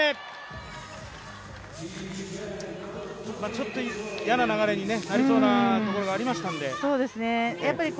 ちょっと嫌な流れになりそうなところがありましたので。